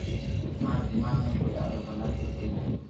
ماري دماغ ۾ ڪوئي آوي ڀلا تو تي ڪي